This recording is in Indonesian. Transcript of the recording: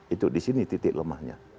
itu di sini titik lemahnya